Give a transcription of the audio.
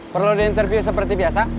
perlu diinterview seperti biasa